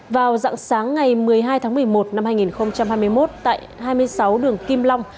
vào dặng sáng ngày một mươi hai tháng một mươi một năm hai nghìn hai mươi một tại hai mươi sáu đường kim long